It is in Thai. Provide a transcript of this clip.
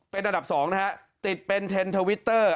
เป็นอันดับสองนะครับติดเป็นเท็นทวิตเตอร์